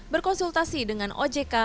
berkonsultasi dengan ojk